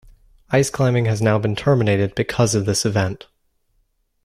Ice climbing has now been terminated because of this event.